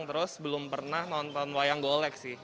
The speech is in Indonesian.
terus belum pernah nonton wayang golek sih